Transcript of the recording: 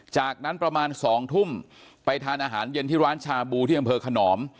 จากนั้นประมาณ๒ทุ่มไปทานอาหารเย็นที่ร้านชาบูที่อำเภอขนอม